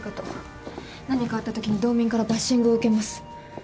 何かあったときに道民からバッシングを受けます。